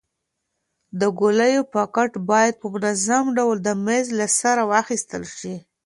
د ګولیو پاکټ باید په منظم ډول د میز له سره واخیستل شي.